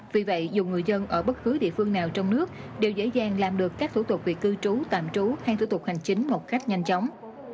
vì vậy dù người dân ở bất cứ địa phương nào trong nước đều dễ dàng làm được các thủ tục về cư trú tạm trú hay thủ tục hành chính một cách nhanh chóng